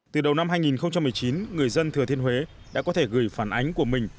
từ đầu năm hai nghìn một mươi chín người dân thừa thiên huế đã có thể gửi phản ánh của mình